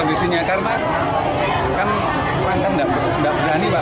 kondisinya karena kan orang orang kan nggak berani pak